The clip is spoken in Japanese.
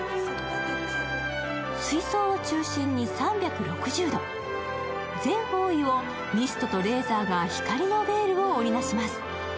水槽を中心に３６０度、全方位をミストとレーザーが光のベールを織り成します。